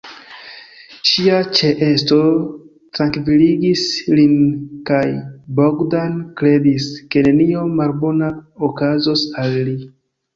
Ŝia ĉeesto trankviligis lin kaj Bogdan kredis, ke nenio malbona okazos al li.